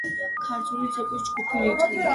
ქართული ცეკვის ჯფუფი, რიტმი.